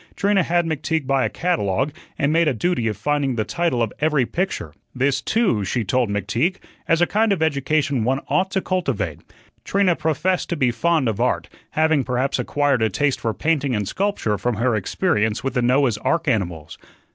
Trina had McTeague buy a catalogue and made a duty of finding the title of every picture. This, too, she told McTeague, as a kind of education one ought to cultivate. Trina professed to be fond of art, having perhaps acquired a taste for painting and sculpture from her experience with the Noah's ark animals.